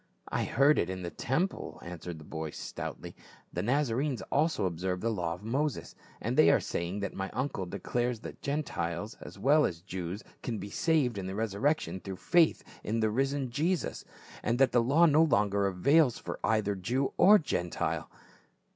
" I heard it in the temple," answered the boy stoutly. " The Nazarenes also observe the law of Moses ; and they are saying that my uncle declares that Gentiles as well as Jews can be saved in the resurrection through faith in the risen Jesus, and that the law no longer avails for either Jew or Gentile."